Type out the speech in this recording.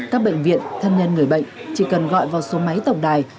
các bệnh viện thân nhân người bệnh chỉ cần gọi vào số máy tổng đài